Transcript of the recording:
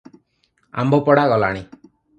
ଆମ୍ବପଡା ଗଲାଣି ।